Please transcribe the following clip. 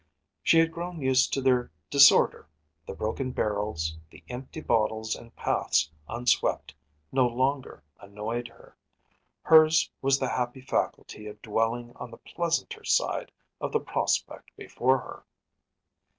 She had grown used to their disorder; the broken barrels, the empty bottles and paths unswept no longer annoyed her; hers was the happy faculty of dwelling on the pleasanter side of the prospect before her.